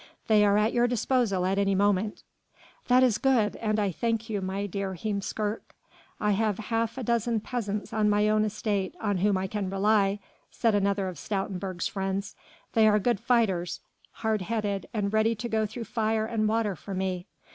They are at your disposal at any moment." "That is good, and I thank you, my dear Heemskerk." "I have half a dozen peasants on my own estate on whom I can rely," said another of Stoutenburg's friends. "They are good fighters, hard headed and ready to go through fire and water for me.